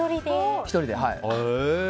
１人で。